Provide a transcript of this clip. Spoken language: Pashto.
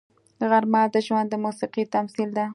غرمه د ژوند د موسیقۍ تمثیل ده